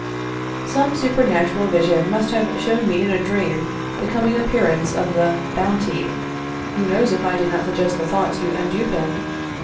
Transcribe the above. Some supernatural vision must have shown me in a dream the coming appearance of the bounty (who knows if I did not suggest the thought to M. Dupin?)